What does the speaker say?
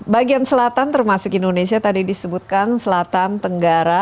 bagian selatan termasuk indonesia tadi disebutkan selatan tenggara